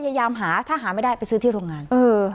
ถ้าหาไม่ได้ไปซื้อที่โรงงาน